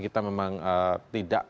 kita memang tidak